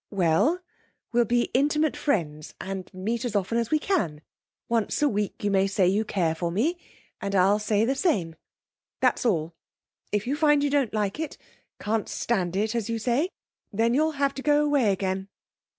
'Well, we'll be intimate friends, and meet as often as we can. Once a week you may say you care for me, and I'll say the same. That's all. If you find you don't like it can't stand it, as you say then you'll have to go away again.'